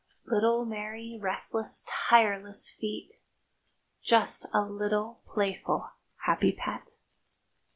Little, merry, restless, tireless feet— Just a little playful, happy pet.